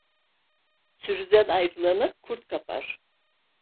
Sürüden ayrılanı kurt kapar.